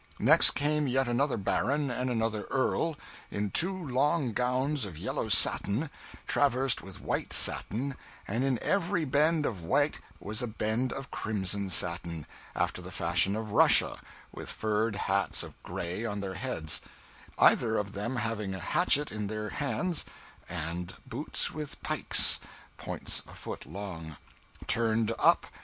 Next came yet another baron and another earl, in two long gowns of yellow satin, traversed with white satin, and in every bend of white was a bend of crimson satin, after the fashion of Russia, with furred hats of gray on their heads; either of them having an hatchet in their hands, and boots with pykes' (points a foot long), 'turned up.